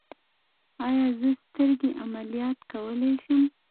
ایا زه سترګې عملیات کولی شم؟